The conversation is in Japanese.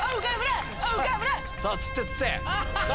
さぁ釣って釣って。